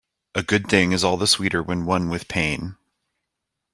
A good thing is all the sweeter when won with pain.